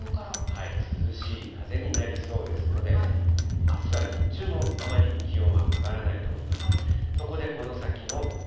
涼しい風になりそうですので、あすは日中もあまり気温は上がらないと思います。